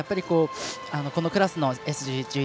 このクラスＳ１１